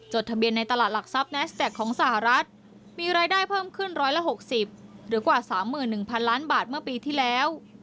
ทะเบียนในตลาดหลักทรัพย์แนสแท็กของสหรัฐมีรายได้เพิ่มขึ้น๑๖๐หรือกว่า๓๑๐๐๐ล้านบาทเมื่อปีที่แล้ว